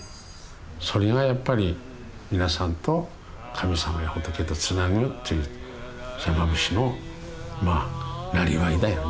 それがやっぱり皆さんと神様や仏とつなぐという山伏のまあなりわいだよね。